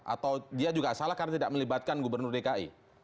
atau dia juga salah karena tidak melibatkan gubernur dki